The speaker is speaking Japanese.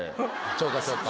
そうかそうか。